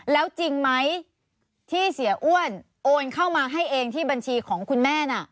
แล้วจริงไหมที่เสียอ้วนโอนเข้ามาให้เองที่บัญชีของคุณแม่น่ะ